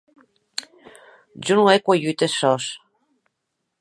Jo non è cuelhut es sòs!